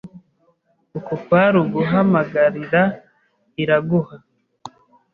Uku kwari uguhamagarira Iraguha.